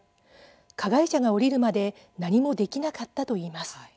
加害者が降りるまで何もできなかったといいます。